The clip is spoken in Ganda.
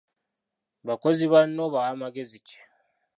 Bakozi banno obawa magezi ki?